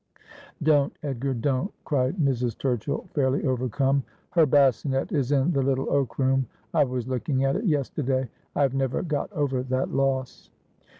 ' 'Don't, Edgar, don't!' cried Mrs. Turchill, fairly overcome. ' Her bassinet is in the little oak room. I was looking at it yesterday. I have never got over that loss.'